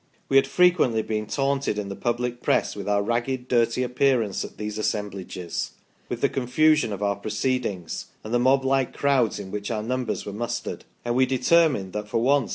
We had frequently been taunted in the public press with our ragged, dirty appearance at these assemblages ; with the confusion of our proceed ings, and the moblike crowds in which our numbers were mustered ; and we determined that for once